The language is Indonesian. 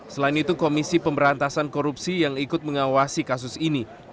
selain itu komisi pemberantasan korupsi yang ikut mengawasi kasus ini